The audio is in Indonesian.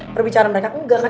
perbicaraan mereka enggak kan